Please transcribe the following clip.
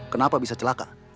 kenapa bisa celaka